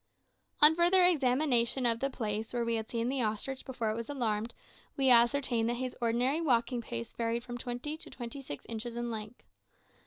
On further examination of the place where we had seen the ostrich before it was alarmed, we ascertained that his ordinary walking pace varied from twenty to twenty six inches in length.